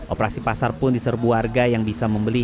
operasi pasar pun diserbu warga yang bisa membeli